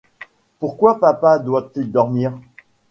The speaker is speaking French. Pourquoi papa doit-il dormir ?